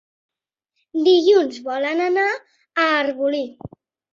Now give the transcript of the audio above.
Dilluns volen anar a Arbolí.